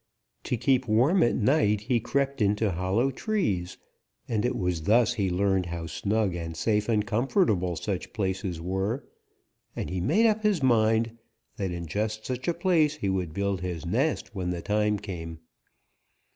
To keep warm at night he crept into hollow trees, and it was thus he learned how snug and safe and comfortable such places were, and he made up his mind that in just such a place he would build his nest when the time came.